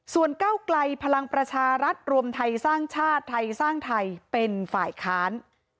ส่วนก้าวไกลพลังประชารัฐรวมไทยสร้างชาติไทยสร้างไทยเป็นฝ่ายค้าน